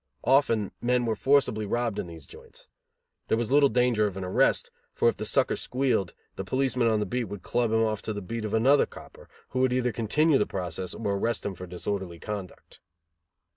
Often men were forcibly robbed in these joints. There was little danger of an arrest; for if the sucker squealed, the policeman on the beat would club him off to the beat of another copper, who would either continue the process, or arrest him for disorderly conduct.